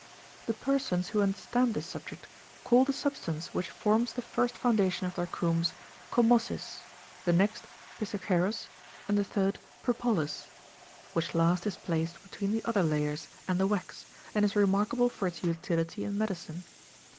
The persons who understand this subject, call the substance which forms the first foundation of their combs, commosis,u the next, pissoceros™ and the third propolis; which last is placed between the other layers and the wax, and is remarkable for its utility in medicine.